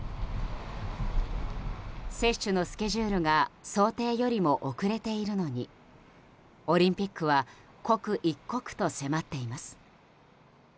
接種のスケジュールが想定よりも遅れているのにオリンピックは刻一刻と迫っています。